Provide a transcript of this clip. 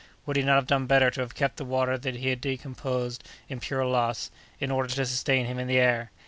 Would he not have done better to have kept the water that he had decomposed in pure loss, in order to sustain him in the air?